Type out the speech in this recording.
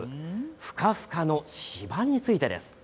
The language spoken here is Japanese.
ふかふかの芝についてです。